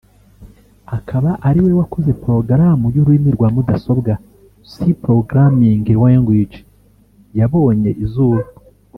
akaba ariwe wakoze porogaramu y’ururimi rwa mudasobwa (C programming language) yabonye izuba